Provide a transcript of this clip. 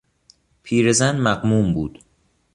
پیرزن مغموم بود.